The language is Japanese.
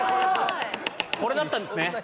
これだったんですね。